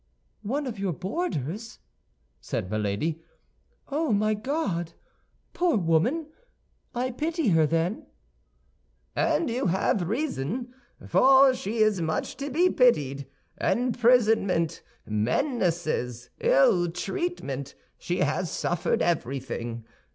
"One of your boarders?" said Milady; "oh, my God! Poor woman! I pity her, then." "And you have reason, for she is much to be pitied. Imprisonment, menaces, ill treatment—she has suffered everything.